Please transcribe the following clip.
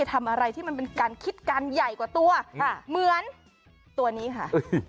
ทำอะไรที่มันเป็นการคิดการใหญ่กว่าตัวค่ะเหมือนตัวนี้ค่ะ